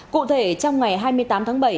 cụ thể trong ngày hai mươi tám tháng bảy